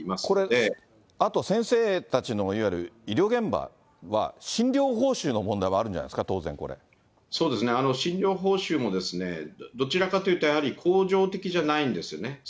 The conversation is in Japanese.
これ、あと先生たちのいわゆる医療現場は診療報酬の問題もあるんじゃなそうですね、診療報酬もどちらかというと、やはり恒常的じゃないんですよね。